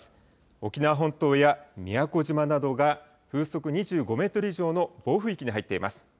沖縄本島や宮古島などが風速２５メートル以上の暴風域に入っています。